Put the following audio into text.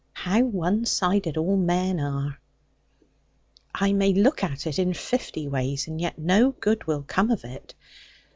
How one sided all men are!' 'I may look at it in fifty ways, and yet no good will come of it.